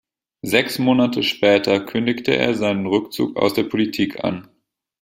Sechs Monate später kündigte er seinen Rückzug aus der Politik an.